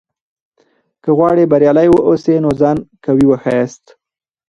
که غواړې بریالی واوسې؛ نو ځان قوي وښیاست.